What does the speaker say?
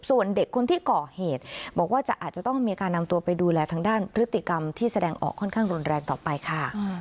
ส่วนเด็กคนที่ก่อเหตุบอกว่าอาจจะต้องมีการนำตัวไปดูแลทางด้านพฤติกรรมที่แสดงออกค่อนข้างรุนแรงต่อไปค่ะ